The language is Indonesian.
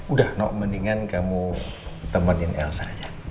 udah no mendingan kamu temenin elsa aja